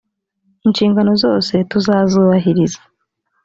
inshingano zose tuzazubahiriza.